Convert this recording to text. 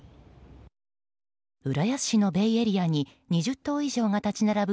浦安市のベイエリアに２０棟以上が立ち並ぶ